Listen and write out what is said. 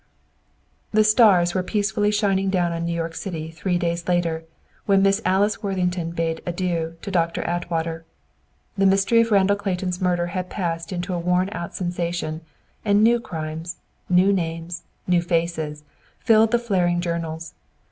The stars were peacefully shining down on New York City, three days later, when Miss Alice Worthington bade adieu to Doctor Atwater. The mystery of Randall Clayton's murder had passed into a worn out sensation, and new crimes, new names, new faces, filled the flaring journals.